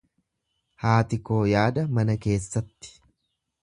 Haati koo yaada mana keessatti.